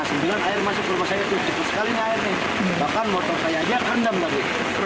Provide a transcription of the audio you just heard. setengah sembilan air masuk rumah saya tutup sekali airnya bahkan motor saya aja rendam lagi